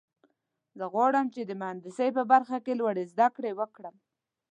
زه غواړم چې د مهندسۍ په برخه کې لوړې زده کړې وکړم